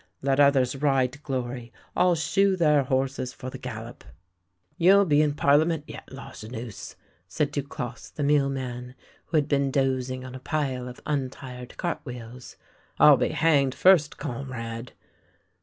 Let others ride to glory, I'll shoe their horses for the gal lop." " You'll be in Parliament yet, Lajeunesse," said Du closse the mealman, who had been dozing on a pile of untired cart wheels. " I'll be hanged first, comrade!